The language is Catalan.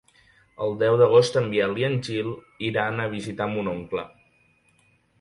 El deu d'agost en Biel i en Gil iran a visitar mon oncle.